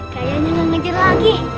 kayaknya ngejir lagi